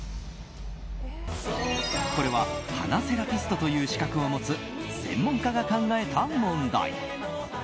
これは、花セラピストという資格を持つ専門家が考えた問題。